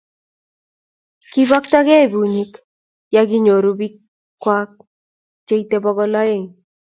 kibeektagei bunyik ya kinyoryo biikwak cheitei bokol oeng'.